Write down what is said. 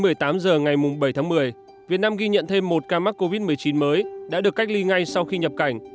tính từ sáu h đến một mươi tám h ngày bảy tháng một mươi việt nam ghi nhận thêm một ca mắc covid một mươi chín mới đã được cách ly ngay sau khi nhập cảnh